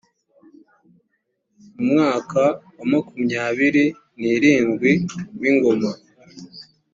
mu mwaka wa makumyabiri n irindwi w ingoma